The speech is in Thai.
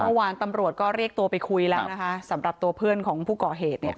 เมื่อวานตำรวจก็เรียกตัวไปคุยแล้วนะคะสำหรับตัวเพื่อนของผู้ก่อเหตุเนี่ย